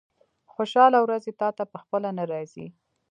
خوشاله ورځې تاته په خپله نه راځي.